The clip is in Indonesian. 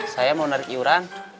saya mau narik iuran